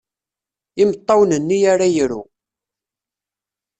Imeṭṭawen-nni ara iru.